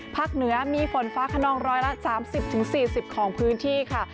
ภาคเหนือมีฝนฟ้าขนองร้อยละสามสิบถึงสี่สิบของพื้นที่ค่ะ